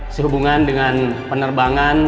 sehubungan dengan penerbangan